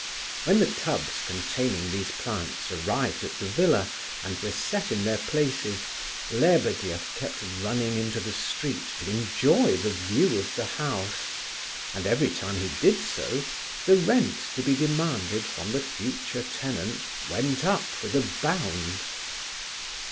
When the tubs containing these plants arrived at the villa and were set in their places, Lebedeff kept running into the street to enjoy the view of the house, and every time he did so the rent to be demanded from the future tenant went up with a bound.